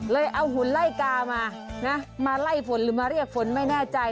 เอาหุ่นไล่กามานะมาไล่ฝนหรือมาเรียกฝนไม่แน่ใจ